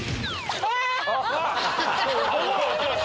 あっ！